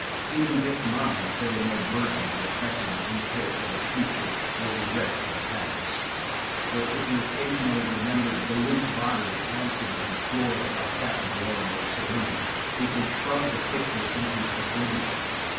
Even Vic's mind carried no burden to oppress him in care for the future or regret for the past, for if he occasionally remembered the limp body of Hansen on the floor of Captain Lorrimer's saloon he could shrug the picture into oblivion.